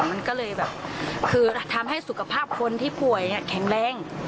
มันก็เลยแบบคือทำให้สุขภาพคนที่ป่วยแข็งแรง